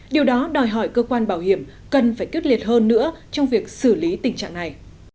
điều đó đòi hỏi cơ quan bảo hiểm cần phải quyết liệt hơn nữa trong việc xử lý tình trạng này